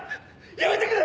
やめてくれ！